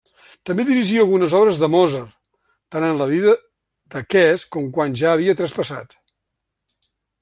També dirigí algunes obres de Mozart, tant en vida d'aquest com quan ja havia traspassat.